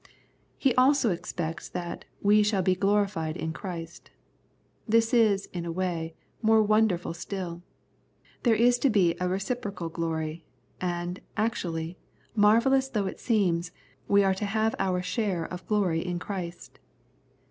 He also expects that we shall he glorified in Christ. This is, in a way, more wonderful still. There is to be a reciprocal glory ; and, actually, marvellous though it seems, we are to have our share of glory in Christ.